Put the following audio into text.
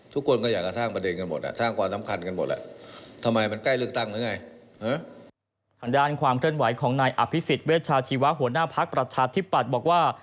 ทางด้านความเคลื่อนไหวของนายอภิษฎเวชาชีวะหัวหน้าพักประชาธิปัตย์บอกว่า